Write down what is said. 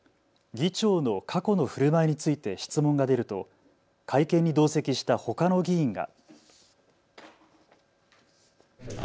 議長の過去のふるまいについて質問が出ると会見に同席したほかの議員が。